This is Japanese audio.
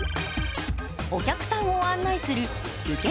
お客さんを案内する受付。